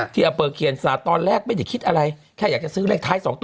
ที่อำเภอเขียนศาสตร์ตอนแรกไม่ได้คิดอะไรแค่อยากจะซื้อเลขท้าย๒ตัว